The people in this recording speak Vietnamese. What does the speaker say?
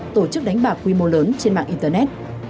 tổ chức đánh bạc quy mô lớn trên mạng internet